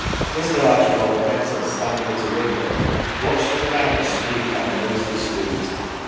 Mr. Archibald Prentice, standing at a window, watched the crowd stream down Mosley Street.